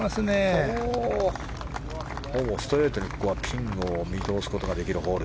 ここは、ほぼストレートにピンを見通すことができるホール。